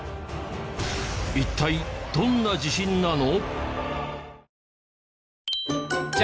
一体どんな地震なの？